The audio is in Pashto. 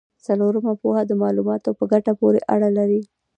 څلورمه پوهه د معلوماتو په ګټه پورې اړه لري.